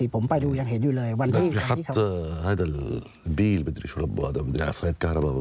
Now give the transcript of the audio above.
พ่ออยู่สนานามานานแค่ไหนละ